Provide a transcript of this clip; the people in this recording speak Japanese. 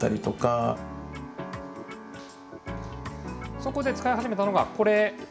そこで使い始めたのがこれ。